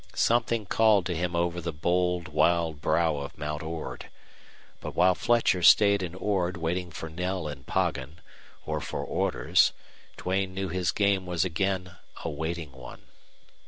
Something called to him over the bold, wild brow of Mount Ord. But while Fletcher stayed in Ord waiting for Knell and Poggin, or for orders, Duane knew his game was again a waiting one.